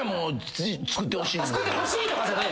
つくってほしいとかじゃない。